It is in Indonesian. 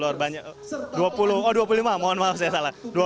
luar banyak dua puluh oh dua puluh lima mohon maaf saya salah